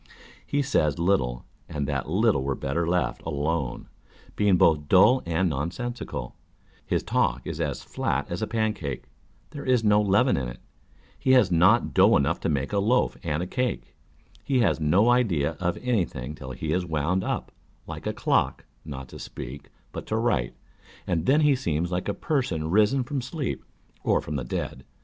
He says little, and that little were better left alone, being both dull and nonsensical ; his talk is as flat as a pancake, there is no leaven in it, he has not dough enough to make a loaf and a cake ; he has no idea of any thing till he' is wound up, like a clock, not to speak, but to write, and then he seems like a person risen from sleep or from the dead.